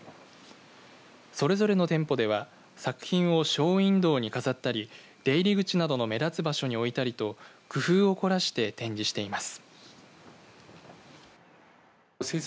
それぞれの店舗では作品をショーウインドウに飾ったり出入り口などの目立つ場所に置いたりと工夫をこらして展示しています。